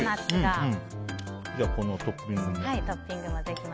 このトッピングも。